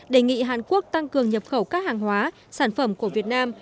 đề nghị hàn quốc tăng cường nhập khẩu các hàng hóa sản phẩm của việt nam